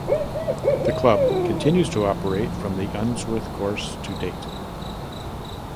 The club continues to operate from the Unsworth course to date.